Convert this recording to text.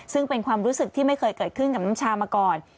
ซึ่งเป็นความรู้สึกที่ไม่เคยเกิดขึ้นกับน้ำชามาก่อน